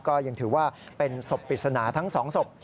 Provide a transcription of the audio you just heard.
ก็ยังถือว่าเป็นสบปริศนาทั้งสองสบ